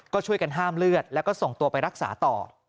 ก็ช่วยกันห้ามเลือดแล้วก็ส่งตัวไปรักษาต่อ